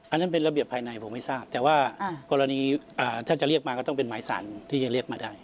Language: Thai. อันนั้นเป็นระเบียบภายในผมไม่ทราบแต่ว่ากรณีถ้าจะเรียกมาก็ต้องเป็นหมายสารที่จะเรียกมาได้